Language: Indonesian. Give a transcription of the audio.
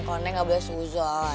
kalo neng gak boleh sudon